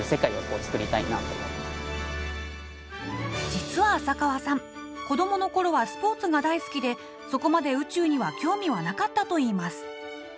実は浅川さん子どものころはスポーツが大好きでそこまで宇宙には興味はなかったといいます。